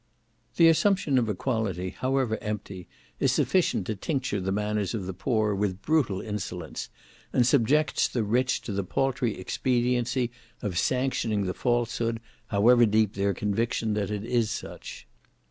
The assumption of equality, however empty, is sufficient to tincture the manners of the poor with brutal insolence, and subjects the rich to the paltry expediency of sanctioning the falsehood, however deep their conviction that it is such.